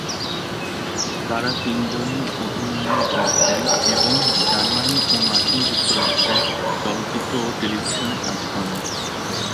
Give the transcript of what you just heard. তারা তিনজনই অভিনয়ে যোগ দেন এবং জার্মানি ও মার্কিন যুক্তরাষ্ট্রে চলচ্চিত্র ও টেলিভিশনে কাজ করেন।